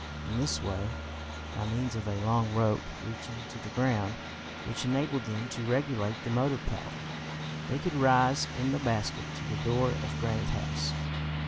In this way, by means of a long rope reaching to the ground, which enabled them to regulate the motive power, they could rise in the basket to the door of Granite House.